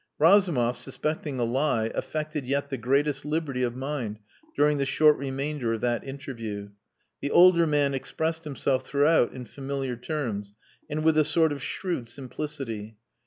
Razumov, suspecting a lie, affected yet the greatest liberty of mind during the short remainder of that interview. The older man expressed himself throughout in familiar terms, and with a sort of shrewd simplicity.